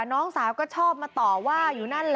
น้องสาวก็ชอบมาต่อว่าอยู่นั่นแหละ